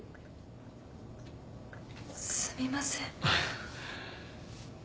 すみません。